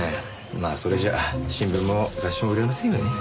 まあそれじゃ新聞も雑誌も売れませんよね。